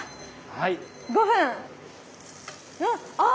はい。